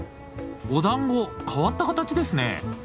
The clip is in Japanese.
おだんご変わった形ですね。